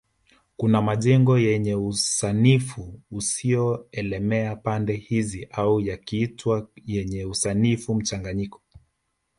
kuna majengo yenye usanifu usio elemea pande hizi au yakiitwa yenye usanifu mchanganyiko